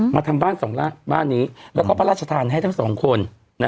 มาทำบ้านสองบ้านนี้แล้วก็พระราชทานให้ทั้งสองคน